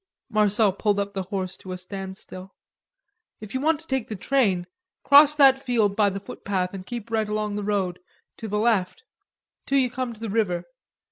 Marcel pulled up the horse to a standstill. "If you want to take the train, cross that field by the foot path and keep right along the road to the left till you come to the river.